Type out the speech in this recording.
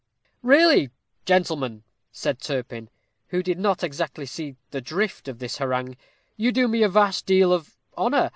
"Really, gentlemen," said Turpin, who did not exactly see the drift of this harangue, "you do me a vast deal of honor.